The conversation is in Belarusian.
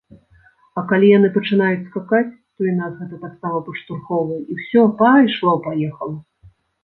А калі яны пачынаюць скакаць, то і нас гэта таксама падштурхоўвае і ўсё, пайшло-паехала.